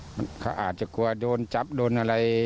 มันเขาอาจจะกลัวโดนจับโดนอะไร